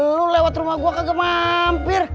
lu lewat rumah gua kagak mampir